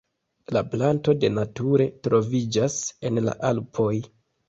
La planto de nature troviĝas en la Alpoj.